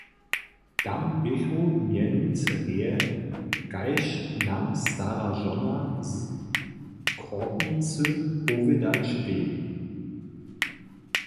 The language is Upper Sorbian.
Tam běchu mjenujcy reje, kaž nam stara žona z Chortnicy powědać wě.